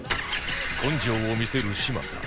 根性を見せる嶋佐